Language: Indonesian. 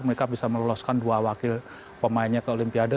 mereka bisa meloloskan dua wakil pemainnya ke olimpiade